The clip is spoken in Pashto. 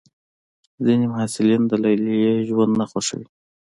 ځینې محصلین د لیلیې ژوند نه خوښوي.